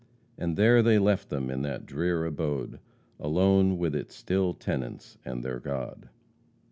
And there they left them in that drear abode Alone with its still tenants and their God."